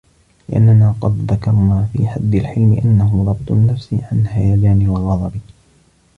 لِأَنَّنَا قَدْ ذَكَرْنَا فِي حَدِّ الْحِلْمِ أَنَّهُ ضَبْطُ النَّفْسِ عَنْ هَيَجَانِ الْغَضَبِ